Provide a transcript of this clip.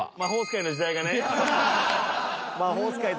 魔法使い